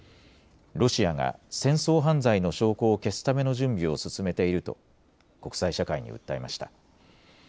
ロシアが戦争犯罪の証拠を消すための準備を進めていると国際社会に訴えました。